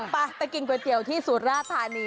ไปไปกินก๋วยเตี๋ยวที่สุราธานี